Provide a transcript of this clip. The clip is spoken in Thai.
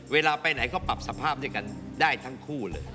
เวลาไปไหนก็ปรับสภาพด้วยกันได้ทั้งคู่เลย